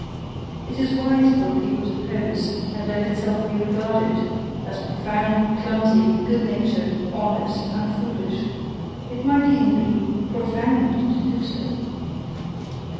It is wise for a people to pose, and LET itself be regarded, as profound, clumsy, good natured, honest, and foolish: it might even be profound to do so!